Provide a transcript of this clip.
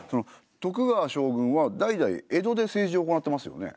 徳川将軍は代々江戸で政治を行ってますよね？